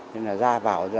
nên là ra vào